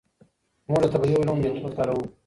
موږ د طبیعي علومو میتود کاروو.